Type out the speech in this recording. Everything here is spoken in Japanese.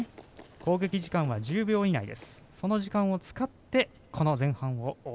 攻撃時間は１０秒以内です。